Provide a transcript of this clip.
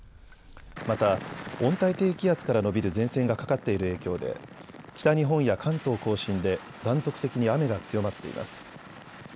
また、温帯低気圧から延びる前線がかかっている影響で、北日本や関東甲信で断続的に雨が強まっています。